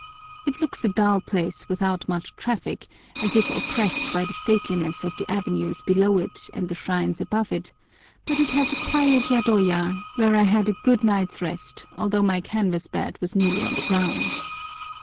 It looks a dull place without much traffic, as if oppressed by the stateliness of the avenues below it and the shrines above it, but it has a quiet yadoya, where I had a good night's rest, although my canvas bed was nearly on the ground.